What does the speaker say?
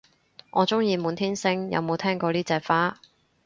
我鍾意滿天星，有冇聽過呢隻花